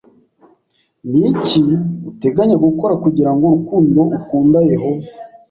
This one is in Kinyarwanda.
Ni iki uteganya gukora kugira ngo urukundo ukunda Yehova